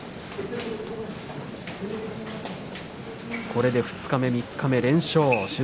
これで二日目、三日目連勝です。